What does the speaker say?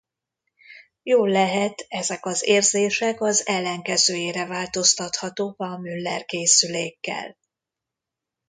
Jóllehet ezek az érzések az ellenkezőjére változtathatók a Mueller-készülékkel.